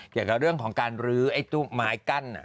เกี่ยวกับเรื่องของการฤ้วนไม้กั้น